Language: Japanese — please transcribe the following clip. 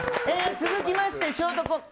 続きましてショートコント。